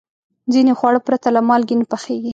ځینې خواړه پرته له مالګې نه پخېږي.